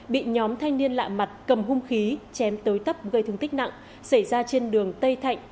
bị nhóm thanh niên lạ mặt cầm hung khí chém tới tấp gây thương tích nặng xảy ra trên đường tây thạnh